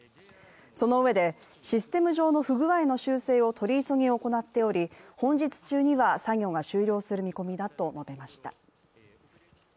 そのうえで、システム上の不具合の修正を取り急ぎ行っており、本日中には作業が終了する見込みだと述べました。